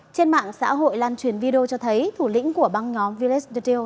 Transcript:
trên mạng xã hội lan truyền video cho thấy thủ lĩnh của băng nhóm village detail